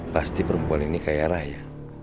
pasti perempuan ini kaya raya